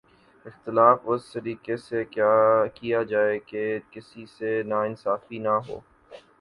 اختلاف اس سلیقے سے کیا جائے کہ کسی سے ناانصافی نہ ہو۔